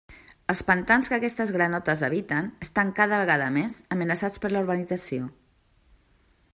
Els pantans que aquestes granotes habiten estan cada vegada més amenaçats per la urbanització.